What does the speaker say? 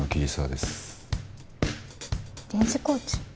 臨時コーチ？